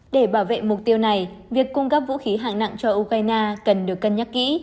để bảo vệ mục tiêu này việc cung cấp vũ khí hạng nặng cho ukraine cần được cân nhắc kỹ